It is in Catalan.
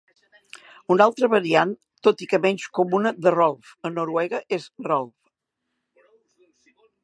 Una altra variant, tot i que menys comuna, de "Rolf" a Noruega és "Rolv".